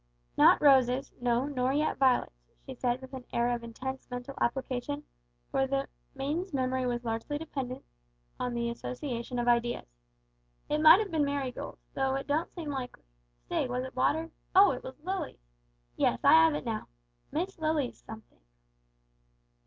"Not roses no, nor yet violets," she said, with an air of intense mental application, for the maiden's memory was largely dependent on association of ideas; "it might 'ave been marigolds, though it don't seem likely. Stay, was it water ? Oh! it was lilies! Yes, I 'ave it now: Miss Lilies somethink."